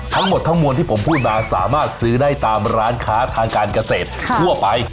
ทั้งหมดทั้งมวลที่ผมพูดมาสามารถซื้อได้ตามร้านค้าทางการเกษตรทั่วไป